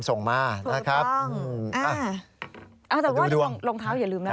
แต่ว่าร้องเท้าอย่าลืมครับ